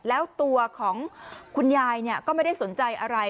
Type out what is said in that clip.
แล้วตัวของคุณยายก็ไม่ได้สนใจอะไร